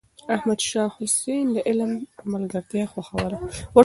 احمد شاه حسين د علم ملګرتيا خوښوله.